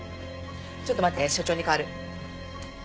ちょっと待って所長に代わる。